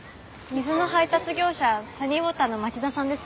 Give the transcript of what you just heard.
水の配達業者サニーウォーターの町田さんですよ。